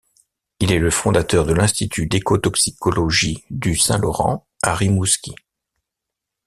Il est le fondateur de l’Institut d’écotoxicologie du Saint-Laurent à Rimouski.